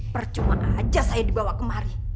percuma aja saya dibawa kemari